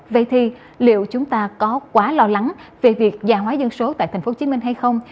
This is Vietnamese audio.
vậy thì liệu chúng ta có quá lo lắng về việc gia hóa dân số tại thành phố hồ chí minh hay không